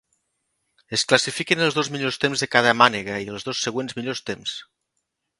Es classifiquen els dos millors temps de cada mànega i els dos següents millors temps.